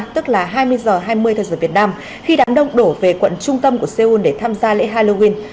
tức là hai mươi h hai mươi theo giờ việt nam khi đám đông đổ về quận trung tâm của seoul để tham gia lễ halloween